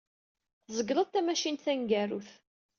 Tzegleḍ tamacint taneggarut.